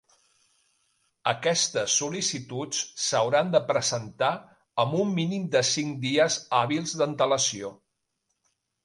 Aquestes sol·licituds s'hauran de presentar amb un mínim de cinc dies hàbils d'antelació.